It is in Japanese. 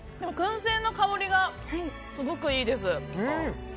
燻製の香りがすごくいいです。